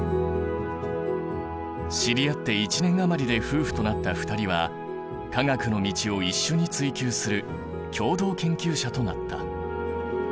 知り合って１年余りで夫婦となった２人は科学の道を一緒に追究する共同研究者となった。